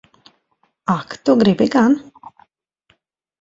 Ak tu gribi gan!